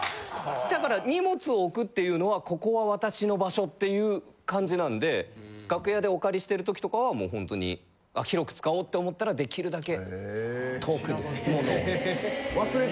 だから荷物を置くっていうのはここは私の場所っていう感じなんで楽屋でお借りしてる時とかはもうホントに広く使おうって思ったらできるだけ遠くに物を置いて。